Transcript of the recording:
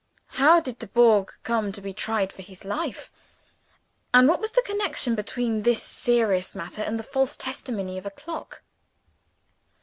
How did Dubourg come to be tried for his life? And what was the connection between this serious matter and the false testimony of a clock?